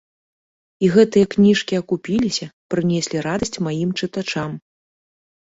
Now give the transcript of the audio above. І гэтыя кніжкі акупіліся, прынеслі радасць маім чытачам.